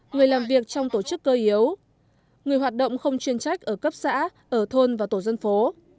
người làm việc trong tổ chức cơ yếu người hoạt động không chuyên trách ở cấp xã ở thôn và tổ dân phố